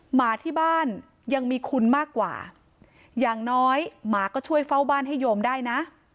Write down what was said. หมาที่บ้านยังมีคุณมากกว่าอย่างน้อยหมาก็ช่วยเฝ้าบ้านให้โยมได้นะ